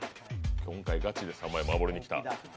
今回ガチで３万円守りにきた。